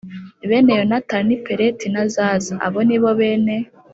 Bene Yonatani ni Peleti na Zaza Abo ni bo bene